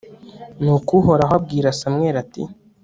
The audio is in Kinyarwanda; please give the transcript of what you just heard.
nuko uhoraho abwira samweli, ati